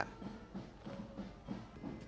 pemindahan dilakukan secara intang